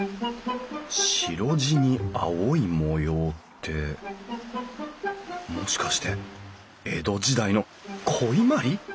白地に青い模様ってもしかして江戸時代の古伊万里？